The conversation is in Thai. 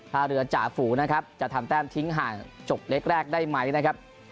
ถ้าเรือจ่าฝูนะครับจะทำแต้มทิ้งห่างจบเล็กแรกได้ไหมนะครับ